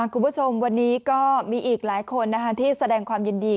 คุณผู้ชมวันนี้ก็มีอีกหลายคนที่แสดงความยินดี